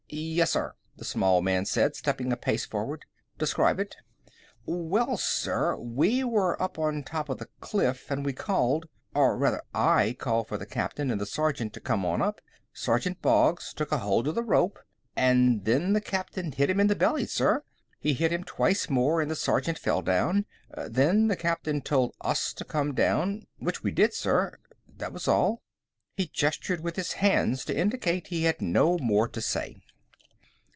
"Yes, sir," the small man said, stepping a pace forward. "Describe it." "Well, sir, we were up on top of the cliff, and we called or rather, I called for the captain and the sergeant to come on up. Sergeant Boggs took a hold of the rope and then the captain hit him in the belly, sir. He hit him twice more and the sergeant fell down. Then the captain told us to come down, which we did, sir. That was all." He gestured with his hands to indicate he had no more to say.